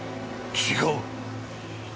違う？